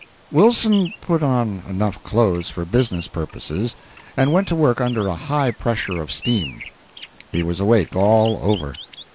Wilson put on enough clothes for business purposes and went to work under a high pressure of steam. He was awake all over.